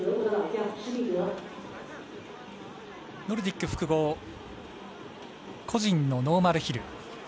ノルディック複合個人のノーマルヒル。